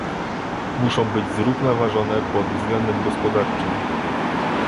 Muszą być zrównoważone pod względem gospodarczym